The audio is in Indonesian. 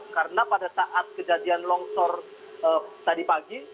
karena pada saat kejadian longsor tadi pagi